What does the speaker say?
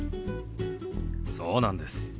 そうなんです。